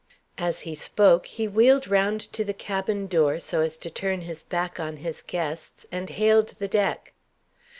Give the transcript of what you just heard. As he spoke, he wheeled round to the cabin door so as to turn his back on his guests, and hailed the deck.